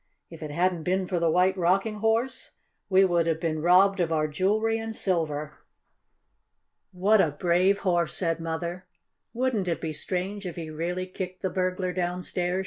If it hadn't been for the White Rocking Horse we would have been robbed of our jewelry and silver." "What a brave Horse!" said Mother. "Wouldn't it be strange if he really kicked the burglar downstairs?"